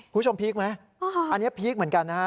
คุณผู้ชมพีคไหมอันนี้พีคเหมือนกันนะฮะ